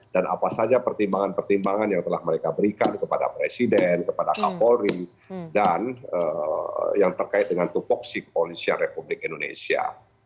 dan apa saja pertimbangan pertimbangan yang telah mereka berikan kepada presiden kepada kapolri dan yang terkait dengan tupuk si komunisian republik indonesia